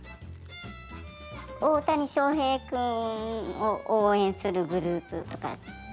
大谷翔平君を応援するグループとか。